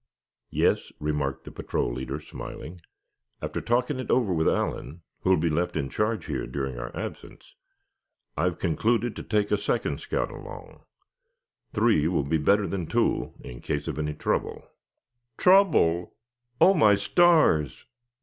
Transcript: "Yes," remarked the patrol leader, smiling; "after talking it over with Allan, who will be left in charge here during our absence, I've concluded to take a second scout along. Three will be better than two, in case of any trouble." "Trouble! Oh! my stars!"